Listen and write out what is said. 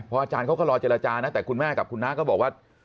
อาจารย์เขาก็รอเจรจานะแต่คุณแม่กับคุณน้าก็บอกว่า